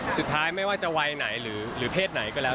สุดท้ายไม่ว่าจะวัยไหนหรือเพศไหนก็แล้ว